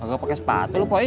poi aku gak pakai sepatu loh poi